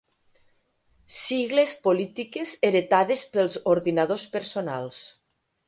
Sigles polítiques heretades pels ordinadors personals.